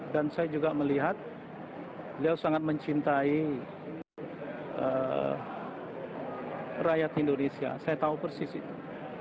dan saya juga melihat beliau sangat mencintai rakyat indonesia saya tahu persis itu